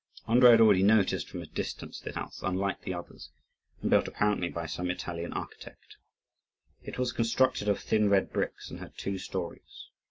Andrii had already noticed from a distance this house, unlike the others, and built apparently by some Italian architect. It was constructed of thin red bricks, and had two stories.